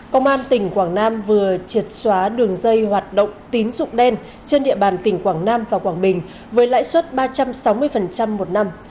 công an tỉnh quảng nam vừa triệt xóa đường dây hoạt động tín dụng đen trên địa bàn tỉnh quảng nam và quảng bình với lãi suất ba trăm sáu mươi một năm